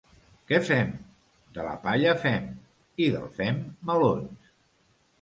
Què fem? —De la palla, fem. —I del fem, melons.